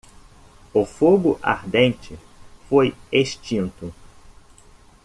O fogo ardente foi extinto.